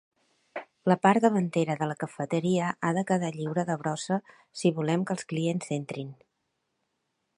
La parta davantera de la cafeteria ha de quedar lliure de brossa si volem que els clients entrin